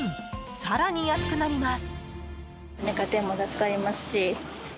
更に安くなります。